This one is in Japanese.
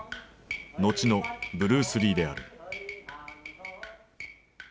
後のブルース・リーである。